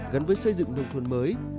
gắn với xây dựng nông thuận mới